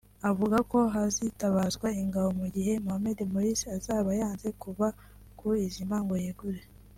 avugako hazitabazwa ingabo mu gihe Mohamed Morsi azaba yanze kuva ku izima ngo yegure